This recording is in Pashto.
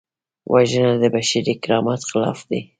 وژنه د بشري کرامت خلاف ده